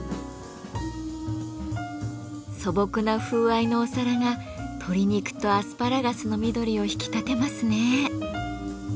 素朴な風合いのお皿が鶏肉とアスパラガスの緑を引き立てますね。